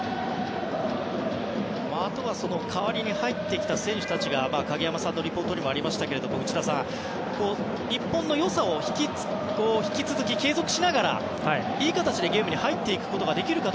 あとは代わりに入ってきた選手が影山さんのリポートにもありましたが内田さん、日本の良さを引き続き継続しながらいい形でゲームに入っていくことができるか。